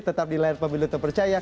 tetap di layar pemilu terpercaya